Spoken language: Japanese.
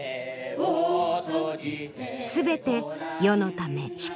全て世のため人のため。